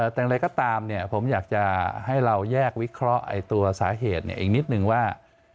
แต่อะไรก็ตามเนี่ยผมอยากจะให้เราแยกวิเคราะห์ตัวสาเหตุเนี่ยอีกนิดนึงว่า